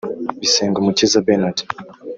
Bisengumukiza Bernard